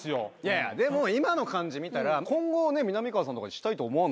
でも今の感じ見たら今後みなみかわさんとかにしたいと思わないですよ。